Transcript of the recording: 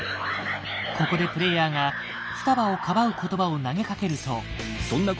ここでプレイヤーが双葉をかばう言葉を投げかけると。